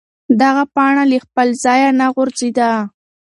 دغه پاڼه له خپل ځایه نه غورځېده.